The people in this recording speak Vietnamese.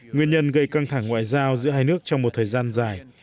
nguyên nhân gây căng thẳng ngoại giao giữa hai nước trong một thời gian dài